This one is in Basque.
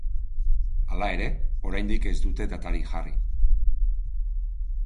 Hala ere, oraindik ez dute datarik jarri.